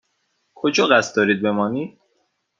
کجا قصد دارید بمانید؟